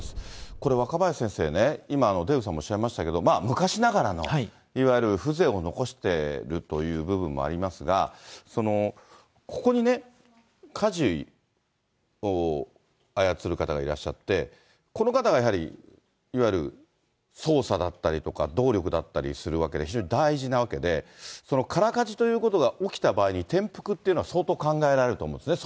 これ、若林先生ね、今、デーブさんもおっしゃいましたけど、昔ながらのいわゆる風情を残してるという部分もありますが、ここにね、かじを操る方がいらっしゃって、この方がやはりいわゆる操作だったりとか動力だったりするわけで、非常に大事なわけで、空かじということが起きた場合に、転覆というのは相当考えられると思うんですね。